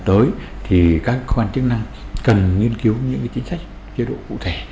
trong thời gian tới các cơ quan chức năng cần nghiên cứu những chính sách chế độ cụ thể